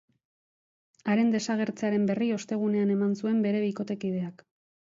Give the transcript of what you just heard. Haren desagertzearen berri ostegunean eman zuen bere bikotekideak.